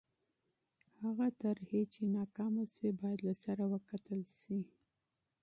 هغه طرحې چې ناکامې سوې باید له سره وکتل سي.